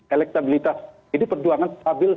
elektabilitas jadi perjuangan stabil